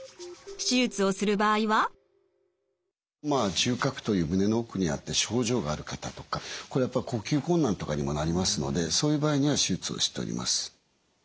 中隔という胸の奥にあって症状がある方とかこれはやっぱり呼吸困難とかにもなりますのでそういう場合には手術をしております。